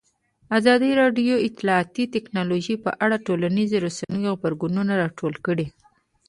ازادي راډیو د اطلاعاتی تکنالوژي په اړه د ټولنیزو رسنیو غبرګونونه راټول کړي.